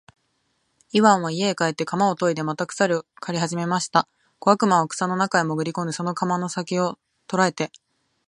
イワンは家へ帰って鎌をといでまた草を刈りはじめました。小悪魔は草の中へもぐり込んで、その鎌の先きを捉えて、